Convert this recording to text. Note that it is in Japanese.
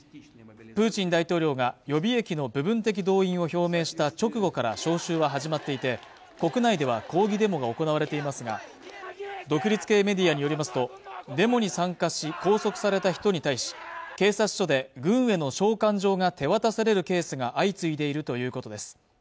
プーチン大統領が予備役の部分的動員を表明した直後から招集は始まっていて国内では抗議デモが行われていますが独立系メディアによりますとデモに参加し拘束された人に対し警察署で軍への召喚状が手渡されるケースが相次いでいるということです